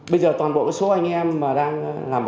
bây giờ toàn bộ số anh em mà đang